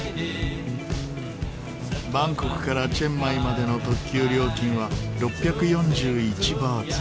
バンコクからチェンマイまでの特急料金は６４１バーツ